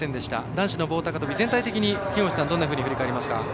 男子の棒高跳び、全体的にどんなふうに振り返りますか。